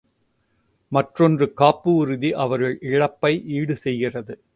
மற்றொன்று காப்பு உறுதி அவர்கள் இழப்பை ஈடு செய்கிறது.